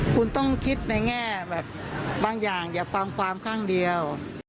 คุณต้องคิดในแง่แบบบางอย่างอย่าฟังความข้างเดียว